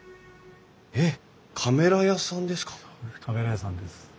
えっカメラ屋さんですか？